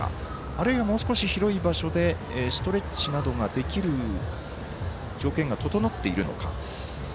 あるいはもう少し広い場所でストレッチなどができる条件が整っているのか。